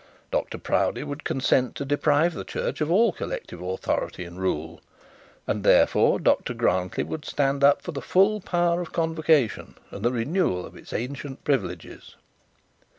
Dr Proudie would consent to deprive the church of all collective authority and rule, and therefore Dr Grantly would stand up for the full power of convocation, and the renewal of its ancient privileges.